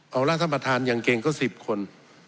เอาราธรรมฐานอย่างเก่งก็๑๐คน